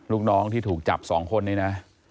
ลูกน้องที่ถูกจับ๒คนนี้นะ